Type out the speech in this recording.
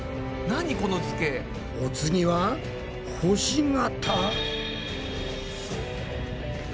お次は星形？